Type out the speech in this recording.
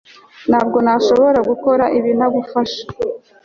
ntabwo nashoboraga gukora ibi ntagufasha